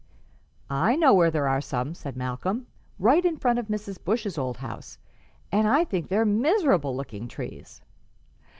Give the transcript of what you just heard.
"I know where there are some," said Malcolm: "right in front of Mrs. Bush's old house; and I think they're miserable looking trees."